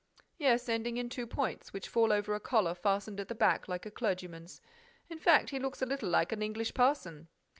"Yes, ending in two points, which fall over a collar fastened at the back, like a clergyman's. In fact, he looks a little like an English parson."